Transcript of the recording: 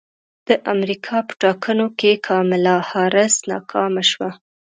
د امریکا په ټاکنو کې کاملا حارس ناکامه شوه